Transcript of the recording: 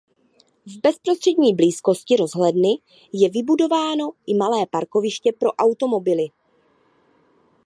V bezprostřední blízkosti rozhledny je vybudováno i malé parkoviště pro automobily.